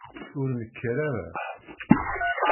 Ur nekker ara!